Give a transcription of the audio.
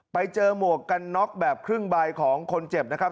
หมวกกันน็อกแบบครึ่งใบของคนเจ็บนะครับ